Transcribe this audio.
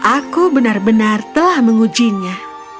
aku benar benar telah mengujinya